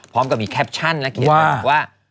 พร้อมกับอีกแคปชั่นแล้วเขียนแบบว่า